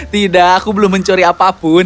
tidak aku belum mencuri apa pun itu hanya keberuntungan